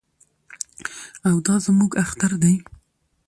او دا زموږ اختر دی.